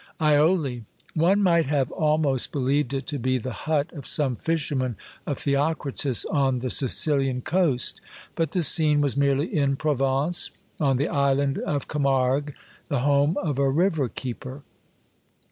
AIOLI. One might have almost believed it to be the hut of some fisherman of Theocritus on the Sicilian coast ; but the scene was merely in Provence, on the island of Camargue, the home of a river keeper.